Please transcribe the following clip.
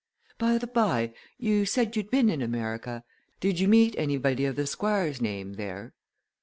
By the bye, you said you'd been in America. Did you meet anybody of the Squire's name there?"